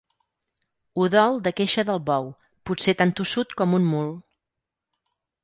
Udol de queixa del bou, potser tan tossut com un mul.